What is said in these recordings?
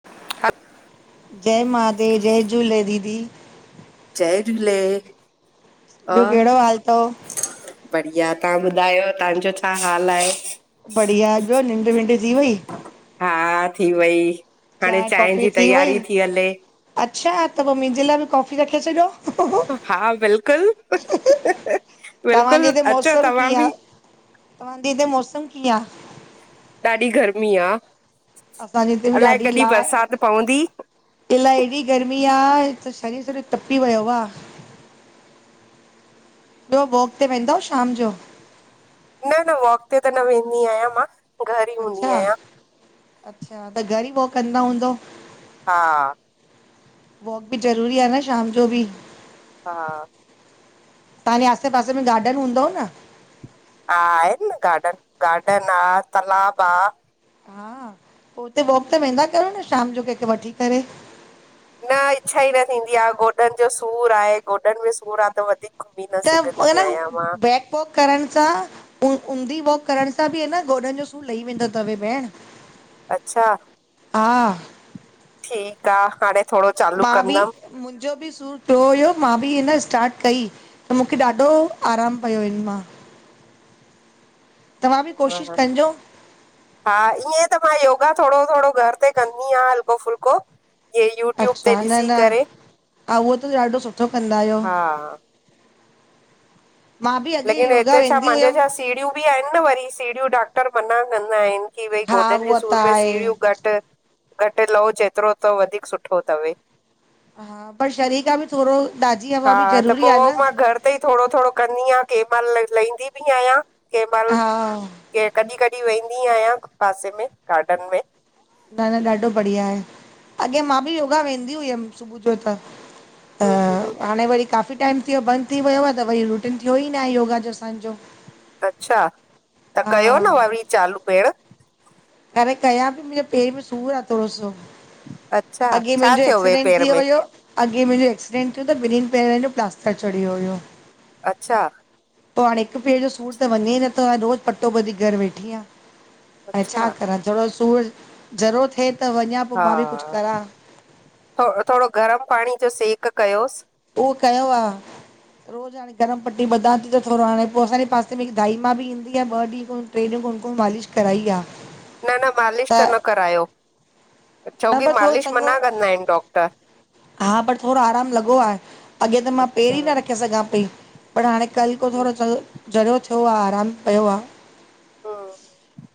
[unintelligible] जय मादेव जय झूले दीदी। जय झूले। ॿियो और कहिड़ो हाल तव? बढ़िया तव्हां ॿुधायो तव्हांजो छा हाल आहे? बढ़िया, अॼु निंढ विंढ थी वई? हा थी वई, हाणे चांहि कॉफी जी थी वई? तयारी थी हले। अच्छा, त पो मुंजे लाइ बि कॉफ़ी रखे छॾियो। हा बिल्कुलु, तव्हांजे बिल्कुलु अचो तव्हां बि। तवां धे मौसम किय आ? ॾाढी गर्मी आ, असांजे हिते बि अलाए कॾहिं बरसात पवंदी। इला एॾी गर्मी आ त शरीर सॼो टपी वियो आ। ॿियो वॉक ते वेंदव शाम जो? न न वॉक ते त न वेंदी आयां मां। घर ई अच्छा, हूंदी आहियां अच्छा त घर ई मों कंदा हूंदव? हा, वॉक बि ज़रूरी आ न शाम जो बि। हा, तव्हां जे आसे पासे में गार्डन हूंदव न। हां आहे न गाडन, गाडन आ तालाब आ। हा, पो हुते वॉक त वेंदा कयो न शाम जो कंहिंखे वठी करे। न इच्छा ई न थींदी आहे, गोॾनि जो सूरु आहे गोॾनि में सूर आहे त वधीक त अ सिगंदी न आयां मां। बैक पॉक करण सां ऊ ऊंधी वॉक करण सां बि आ न गोॾनि जो सूरु लही वेंदो तव भेण। अच्छा। हा, ठीकु आ हाणे थोरो चालू कंदम। मुंजो बि सूर थियो हुयो मां बि इन स्टाट कई। त मूंखे ॾाढो आरामु पियो इन मां। तव्हां बि हा कोशिशि कजो। हा ईअं त मां योगा थोरो थोरो घर ते कंदी आहियां हलको फुल्को। इअं यूट्यूब ते अच्छा न ॾिसी न करे। हा उहो त ॾाढो सुठो कंदा आहियो मां बि अॻे लेकिन योगा हिते छा वेंदी मांजे घरु हुयमि छा सीढ़ियूं बि आहिनि न वरी सीढ़ियूं डॉक्टर मना कंदा आहिनि। थी वई हा गोॾनि जे उहा त सूर में आहे सीड़ियूं घटि, घटि लओ जेतिरो त वधीक सुठो तवे। हा पर शरी खां बि थोरो ताजी हवा बि ज़रूरी आ न। उत ई थोरो थोरो कंदी आहियां केहिं महिल लहंदी बि आहियां केहिं महिल। हा। के कॾहिं कॾहिं वेंदी आहियां पासे में गार्डन में। न न ॾाढो बढ़िया आहे अॻियां मां बि योगा वेंदी हुयमि सुबुह जो त। त हम्म हाणे वरी काफ़ी टाइम थियो बंदि थी वियो आ त वरी रुटीन थियो ई न आ योगा जो असां जो। अच्छा त कयो न वरी चालू भेण। अरे कयां पई मुंहिंजे पेर में सूर आह थोरो सो। अच्छा अॻे छा मुंहिंजो थियो वे एक्सीडेंंट पेर थी में वयो। अॻे मुंहिंजो एक्सीडेंट थियो त ॿिनहिनि पेरनि जो प्लास्टर चढ़ियो हुयो। अच्छा। पो हाणे हिकु पेर जो सूरु त वञे ई नथो हाणे रोज पटो बधी घरु वेठी आहियां। ऐं अच्छा छा करां थोरो सूर ज़रो थिए। त वञा पोइ हा मां बि कुझु करां थो थोरो गरम पाणी जो सेक कयोसि। उहो कयो आ। ह गरम पटी ॿधां थी त थोरो हाणे पो असांजे पासे में हिकु दाईमा बि ईंदी आ ॿ ॾींहं टेन गनकु [unintelligible] मालिश कराई आ। न न मालिश त न करायो, छो न की पर थोरो मालिश चङो मना कंदा आहिनि डॉक्टर। हा पर थोरो आरामु लॻो आहे अॻे त मां अच्छा पेरी ई न हम्म, रखे रखे सघां पई पर हाणे कल्ह को थोरो ज़रियो थियो आ आरामु पयो आ। हा।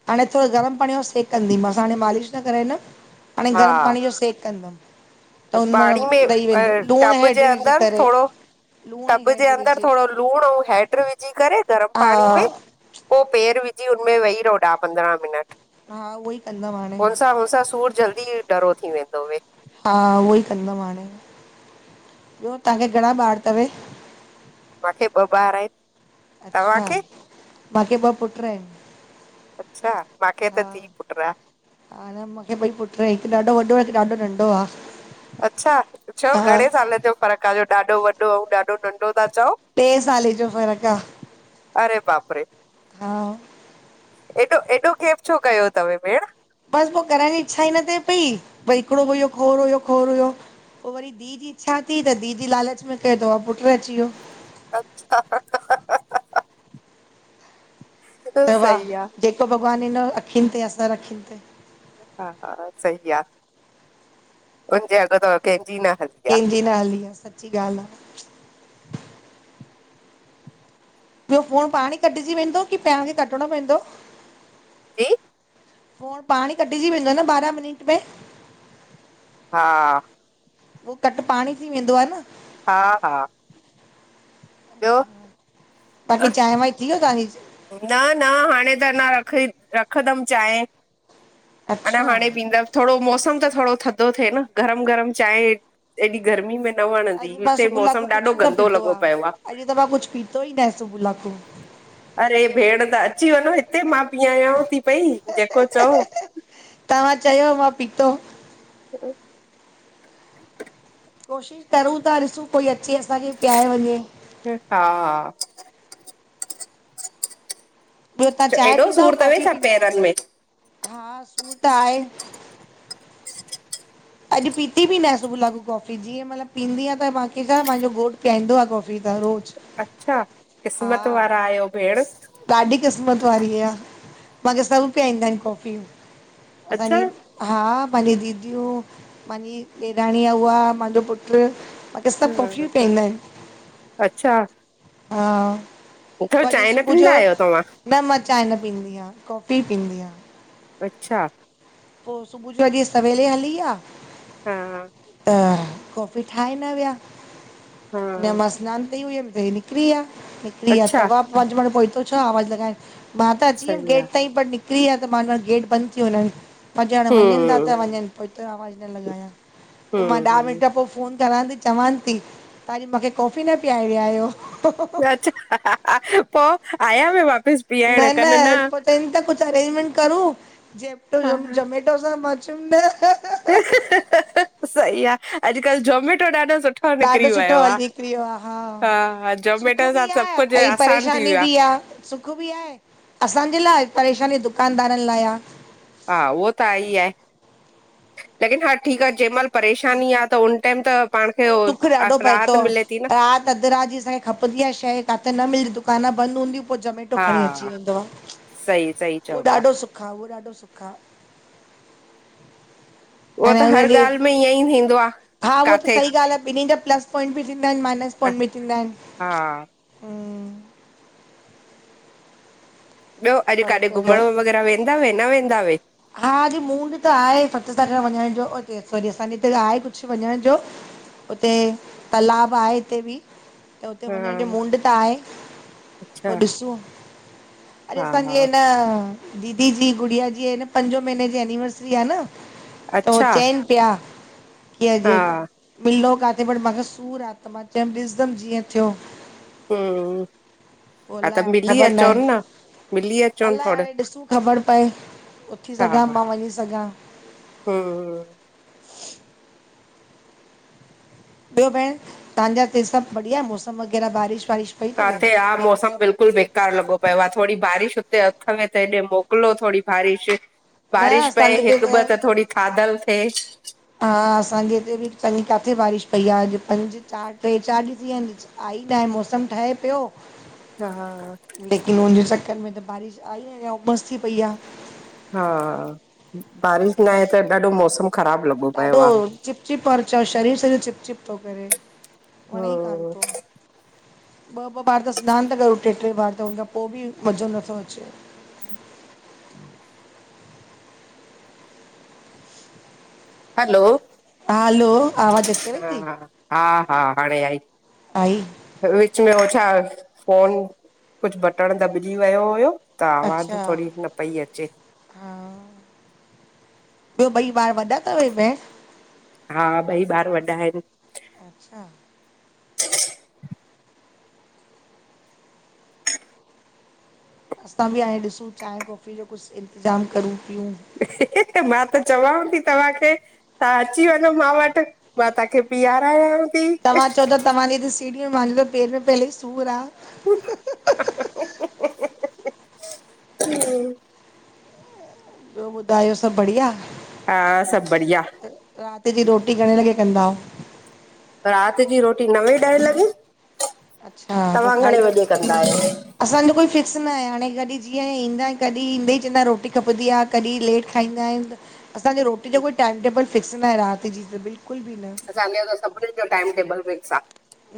हाणे थोरो गरम पाणीअ जो सेक कंदीमासां हाणे मालिश न कराईंदमि। हाणे हा गरम पाणी जो सेक कंदमि। त हुन मां पाणी में ॾेई अ वेंदो लूणु टब जे हेडु विझी अंदरि करे थोरो लूणु ऐं टब जे हेडु अंदरि विझी थोरो लूणु अऊं हैड विझी करे गरम हा पाणी में पो पेर विझी हुनमें वही रहो ॾाह पंद्रहं मिनट। हा उहो ई कंदमि हाणे हुनसां हुन सां सूर जल्दी डरो थी वेंदवे। हा उहो ई कंदमि हाणे, ॿियो तहांखे घणा ॿार तवे? मांखे ॿ ॿार आहिनि। अच्छा तव्हांखे मांखे ॿ पुट आहिनि। अच्छा मांखे त धी पुटु आ। ह न मांखे ॿई पुटु हिकु ॾाढो वॾो आ, हिकु ॾाढो नंढो आ। अच्छा छो हा घणे साल जो फ़र्क़ु आ जो ॾाढो वॾो ऐं ॾाढो नंढो ता चओ? टे साले जो फ़र्क़ु आ। अरे बाप रे! हा। एॾो एॾो गेप छो कयो तवे भेण। बस पो करण जी इच्छा ई न थिए पई, भई हिकिड़ो हो खोर हुयो खोर हुयो पो वरी धी धी जी ईछा थी त धी जी लालच में कयो त पुटु अची वियो। अच्छा। त वाह सही आ जेको भॻवानु ॾिनो अखियुनि ते सर अखयुंनि ते। हा हा सही आ हुनजे अघ त कंहिंजी न हल कंहिंजी ना हली आ सची ॻाल्हि आ ॿियो फोन पाणी कटिजी वेंदो की पां खे कटिणो पवंदो? जी फोन पाण ई कटिजी वेंदो न ॿारहां मिनट में हा उहो कटि पाणे ई थी वेंदो आ न हा हा ॿियो बाक़ी अरे, चांहि वांहि थीयव तव्हांजी? न न हाणे त अञा रखइ रखंदमि चाहि अञा अच्छा, हाणे पींदंम थोड़ो मौसम त थोड़ाो थधो थिए न गरम गरम चांहि हेएॾी गर्मी में न वणंदी अॼु मां हिते मौसम ॾाढो गंदो लॻो पियो आ ्ज त मांकुझु पीतो ई न आए सुबुह खां पो अरे भेण त अची वञो हिते मां पीआहांव थी पई जेको चओ तव्हां चयो मां पीतो [unintelligible] कोशिशि करूं था ॾिसूं कोई अचे असांखे पिआाए वञे हां हां ॿियो तव्हां चओ, चांय एॾो पींदव सूर अथव कॉफ़ी छा पींदव पेरनि में हा सूरु त आहे। अॼु पीती बि न आ सुब लाॻू कॉफ़ी, जीअं मतलबु पींदीय आ त्ह मांखे छा, पंहिंजो घोट पीआईंदो आहे कॉफ़ी त रोज़। अच्छा हा, क़िस्मत वारा आहियो भेण। ॾाढी क़िस्मत वारी आ, मांखे सब पियारिंदा आहिन कॉफ़ी। अच्छा असांजी हा पाहिंजी दीदियूं, महिंजी ॾेराणी आ उहा मांजो पुट बियो छा नत अच्छा। हा घर वरी चांय न सुबुह जो पीअंदा आहियो तव्हां? न मां चांय न पींईदी आयां, कॉफ़ी हि पींयदी आयां। अच्छा पो सुबुह जो अॼु ही सवेल इ हली व्या। हा आ हा आ कॉफी ठाहे न विया, हा अञा मां स्नान ते ही हुयम त हेनिकरी व्या, निकरि व्या त अच्छा वाज पाण हुतो छा आवाज़ लॻाए मां त अची वियमि सही आहे गेट ताईं पर निकिरी विया त मां चयो गेट बंदि थी वञनि। मां चयो हाणे वञनि था हम्म त वञनि, पो एतिरो आवाज़ु न लॻाया, पो मां ॾह हम्म मिंट पो फोन करां थी, चवांन थी, तां अॼु मूंखे कॉफ़ी न पीआरे विया आयो। घरअच पो आया वा वापिस? न न पो चयंता कुछ अरेंजमेंट करू? जेप्टो हा जामे जाोमेट ोसा माचयंम न ह ह सही आ, अॼुकल्ह जोमेटो ॾाढो सुठो ॾाढो निकिरी वियो सुठो आहे हल निकिरियो आ हा हा सुख जोमेटो बि सां आ सभु कुझु ऐं आसान थी परेशानी वियो बि आ। सुख बि आहे असांजे लाइ परेशानी दुकानदारनि लाय आ। हा उहो त आहे ई आहे। लगे तो हा ठीकु आ, जंहि महिल परेशानी आ, त उन टाइम त पाण खे उ उहो दुख आ- ॾाढो पए थो, राहत मिले थी न। राति अधु राति जी सई खपंदी आ शेइ, काथे न मिलंदी, दुकान बंदि हूंदी पो ज़मेटो हा खणी अची वेदो आ, सही सही चओ उहो था, ॾाढो सु हा उहो ॾाढो सुख आ। वो त हर ॻाल्हि में ईअं ई थींदो आ काथे। बिनिन जा प्लस पाइंट ॿि थींदा हिनि, माइनस अ- पॉइंट ॿि थींदा हिन हा ॿियो अॼु फ़र्क़ु काथे पवंदो घुमण आहे -वुमण वेदा वे, न वेदाव? हा अॼु मूड़ त आहे सत्संग में वञण जो, सॉरी असांजे हिते आहे कुछ वञण जो। उते तलाब आहे हिते बि त हुते वञण जो हा मूड़़ त आहे, पो अच्छा ॾिसूं। अरे, हा असांजी हा हेन दीदी जी गुड़िया जी, अन पंजो महीने जी एनिवर्सरी आ, न त ओ अच्छा चेन पिया हा जे अॼ मिलो काथे, बट मां खे सूर आ त मां चयमि ॾिसंदमि जीअं थियो। हुं, हुं पो अलाए, हाणे ख़बर लए मिलीअ अलाए हाणे ॾिसूं ख़बर पए, उथी सघां मां वञी सघां। हुं हुं ॿियो भेणि, तांजा के सभु बढ़िया मौसम वग़ैरह बारिश बारिश काथे आ? मौसम बिल्कुलु बे कार लॻो पियो आ, थोड़ी बारिश हुते, थव में ते हेॾे मोकिलो थोड़ी बारिश न बारिश पए असांजे हिते हिकु ॿ त थोड़ी थादल थे हा असांजे हिते बि चङी काथे बारिश पई आ, अॼु पंज, चार टे, चार ॾींहु थी, विया आहिन। आई त आहे, मौसम ठहे पियो। त हा। लेकिन, उन जे चक्कर में त बारिश आई, ना उमस थी पई आ हा, बारिश न आहे, त ॾाढो मौसम ख़राब लगो। ॾाढो चिप- चिप ओ चओ, शरीर सॼो चिप -चिप थो करे, वणे ई कान हम्म थो। ॿ ॿ बार त सिनानु ता कर ट्रे ट्रे बार त हुन खां पो बि मज़ो नथो अचे। हलो हलो आवाज़ अचेवई हा थी। हा, हा हाणे आई आई विच में हो छा? फ़ोन, कुझु बटण दॿजी वयो हुयो? त आवाज़ अच्छा थोरी न पई अचे। हा ॿियो ॿई ॿारु वॾा तव भेणि हा ॿई ॿारु वॾा हिनि। अच्छा असां बि हाणे ॾिसूं चायं, कॉफ़ी जो कुझु इतिज़ाम करूं पियूं। हि, हि, ह, ह, मां त चवां थी तव्हांखे। तां अची वञो मां वटि, मां तांखे पी आरायांव ती। तव्हां चओ था, च तव्हांजे हिते सीड़ी में मान लो पेैंर में पहिले सूर आ। [unintelligible] ॿियो ॿुदायो सब बढ़िया? हा सब बढ़िया। रात जी रोटी घणे लॻे कंदाओ? रात जी रोटी नवे ॾह लॻे अच्छा पोइ तव्हां खाई घणे करे? वजे कंदा आहियो? असांजो कोई फ़िक्स न आहे हाणे कॾहिं जीअं ईंदा कॾहिं ईंद ई चवंदा रोटी खपंदी आ। कॾहिं लेट खाईंदा आहिन त असांजो रोटी जो कोई टाइम टेबल फ़िक्स न आहे रात जी त बिल्कुल भी न। असांजो सभिनिन जो टाइम टेबल फिक्स आ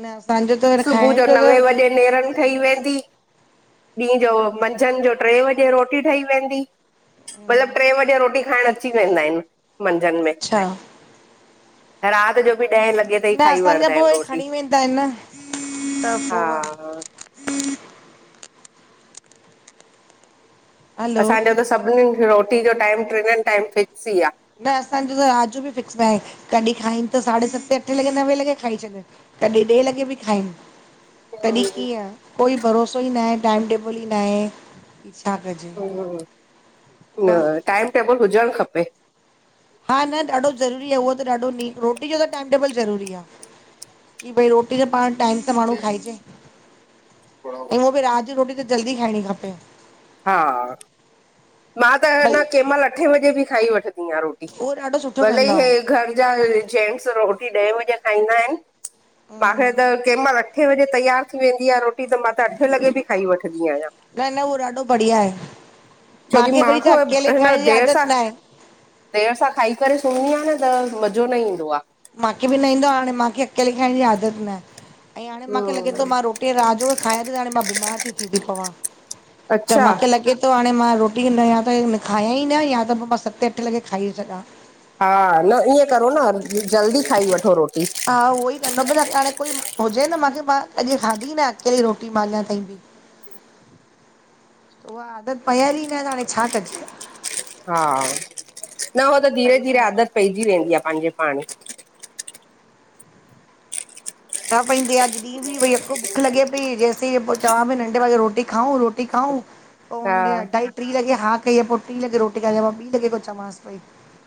न असांजो त सुबुह खाएण जो त नवे वजे नेरन ठही वेंदी। ॾीं जो मंझंन जो टे वॻे रोटी ठही वेंदी। मतिलब टे वजे रोटी खाएण अची वेंदा आहिन मंझंन में। हा रात जो बि ॾह लॻे। न खाई असांजा वठदा पो आहिन हे रोटी खणी वेंदा आहिन न त हा पो आ हलो असांजो त सभिनीन रोटी जो टाइम टेबल टिनिन टाइम फिक्स ई आ। न असांजो त रात जो बि फिक्स नाहे कॾहिं खाइन त साढे सते अठे लॻे नवें लॻे खाई छॾन। कॾी ॾे लॻे बि खाइन। तॾहिं कीअं कोई भरोसो ई न आहे टाइम टेबल ई न आहे। छा कजे वा न टाइम टेबल हुजण खपे। हा न ॾाढो ज़रूरी आ उहो त ॾाढो न रोटी जो त टाइम टेबल ज़रूरी आ। की भई रोटी त पाण टाइम सां त माण्हू खाइजे अई हूअ भी रात जी रोटी त जल्दी खाइणी खपे। हा मां त अ भई न कें महिल अठे वजे भी खाई वठंदी आ रोटी। उहो ॾाढो सुठो भले ई कंदा हे हो घर जा जेनस रोटी ॾे बजे खाईंदा आहिन। माखे त कें महिल अठे बजे तयार थी वेंदी आ रोटी त मां त अठे लॻे बि खाई वठंदी आहियां। न न उहो ॾाढो बढ़िया आहे। छोकी मांखे मां वरी छा खां अकेले हन खाइण जी देर आदत सां। न आहे देर सां खाई करे सुम्हंदी आहियां न त मज़ो न ईंदो आ। मांखे बि न ईंदो आ हाणे मांखे अकेले खाएण जी आदत न आहे ऐं हाणे मांखे लॻे थो मां रोटी टे राजू खे खाइ त हाणे मां बीमार ती थी पवां त अच्छा मांखे लॻे! त हाणे मां रोटी न या त खायां ई न या त पोइ मां सते अठे लॻे खाई सघां। हा न ईअं करो न जल्दी खाई वठो रोटी। हा उहो ई करनो पेंदो अॻया हाणे कोई हुजे मांखे मां अॼ खाधी न अकेली रोटी मां अञा ताईं। उहा आदत पयल ई न त हाणे छा कजे। हा न हो त धीरे धीरे परेशान आदत पइजी वेंदी आ पंहिंजे पाड़े। न पेंअदी आ दीदी। बि भई यको भुख लॻे पई जेसे पो चवां पई नंढे वे रोटी खाऊं रोटी खाऊं। पो हा हुने अढाई टी लॻे हा कई पो टीं लॻे रोटी खाई मां ॿीं लॻे को चमांस पई।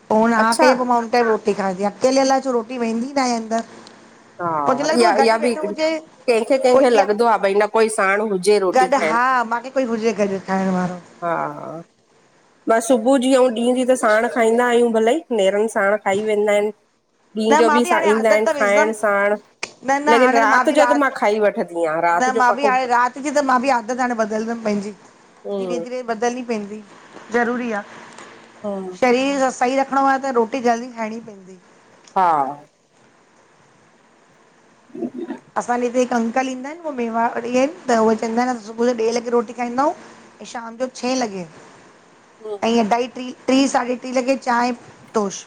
पो हुन हा अच्छा कई पो मां हुन टाइम रोटी खादी अकेले आलाए छो रोटी वेंदी न आहे अंदर। हा मूंखेे लॻंदो इहा गॾ इहा बि वेठो हिकड़ी हुजे। कंहिंखे कोई कंहिंखे इअं लॻदो आ भई न कोई साण हुजे रोटी गॾु खाएण! हा मूंखे कोई हुजे गॾु खाइण वारो हा [inaudible] ॿ सुबुह जी अंऊँ ॾींहं जी त साण खाईंदा आहियूं भलेई, नेरनि साण खाई वेंदा आहिनि ॾींह न जो मां बि स हाणे ईंदा आदत आहिनि त खाइण विझंदमि साण न न लेकिन हाणे त राति बि जो त मां खाई वठंदी आहियां राति जो मां को बस हाणे बदिलंदमि पंहिंजी कोन्हे बदलनी पईंदी, ज़रूरी आ हम्म शरीर स सही रख रखिणो आहे त रोटी जल्दी खाइणी पेईंदी हा [unintelligible] असांजे हिते हिकु अंकल ईंदा आहिनि उहे मेवाड़ी आहिनि त उहे चईंदा आहिनि सुबुह जो ॾेें लॻे रोटी खाईंदाऊं ऐं शाम जो छेंह लॻे अंईं अढाई ट्री, ट्री साढे ट्री लॻे चांहि टोश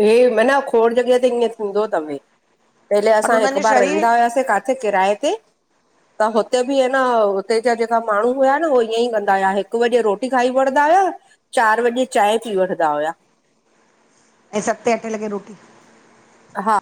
हे मना खोड़ जॻह ते ईअं थींदो थवेइ पहले पर असां हिकु उन्हनि जो बार शरीर रहंदा हुयासीं का थे किराए ते त हुते बि ह ना हुते जा जेका माण्हू हुया न हो ईअं ई कंदा हुया हिकु बजे रो टी खाई वठदा हुया, चार बजे चांहिं पी वठदा हुया ऐं सते अठे लॻे रोटी हा